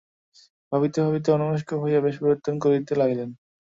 ভাবিতে ভাবিতে অন্যমনস্ক হইয়া বেশ পরিবর্তন করিতে লাগিলেন।